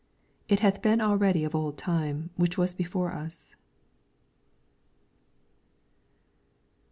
it hath been already of old time, which was before us.'